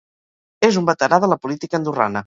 És un veterà de la política andorrana.